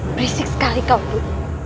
berisik sekali kau bu